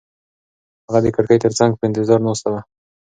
هغه د کړکۍ تر څنګ په انتظار ناسته وه.